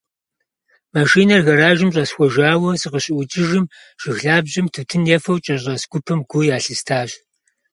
Машинэр гэражым щӏэсхуэжауэ сыкъыщыӏукӏыжым, жыг лъабжьэм тутын ефэу кӏэщӏэс гупым гу ялъыстащ.